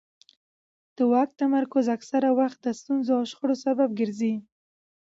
د واک تمرکز اکثره وخت د ستونزو او شخړو سبب ګرځي